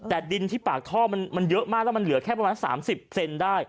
แต่ดินที่ปากท่อมันเยอะมากแล้วมันเหลือแค่ประมาณ๓๐เซนได้